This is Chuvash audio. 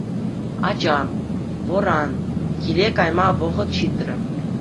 Ачам, вӑран, киле кайма вӑхӑт ҫитрӗ.